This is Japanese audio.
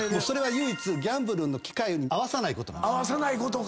それは唯一ギャンブルの機会に合わさないことなの。